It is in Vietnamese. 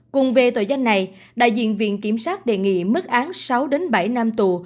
cùng về tội danh này đại diện viện kiểm sát đề nghị mức án sáu bảy năm tù